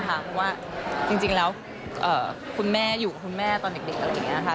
เพราะว่าจริงแล้วคุณแม่อยู่กับคุณแม่ตอนเด็กอะไรอย่างนี้ค่ะ